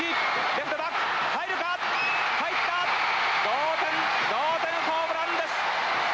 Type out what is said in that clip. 同点同点ホームランです。